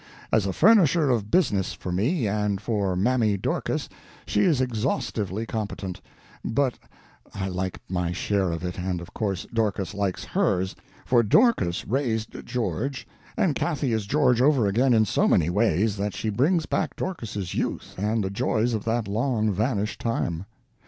As a furnisher of business for me and for Mammy Dorcas she is exhaustlessly competent, but I like my share of it and of course Dorcas likes hers, for Dorcas "raised" George, and Cathy is George over again in so many ways that she brings back Dorcas's youth and the joys of that long vanished time.